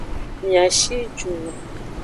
Mia shi ju.